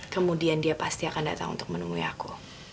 kemudian dia pasti akan datang untuk menemui aku